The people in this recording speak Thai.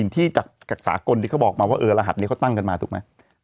ที่จากสากลที่เขาบอกมาว่าเออรหัสนี้เขาตั้งกันมาถูกไหม